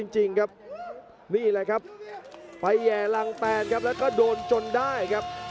โปรดติดตามตอนต่อไป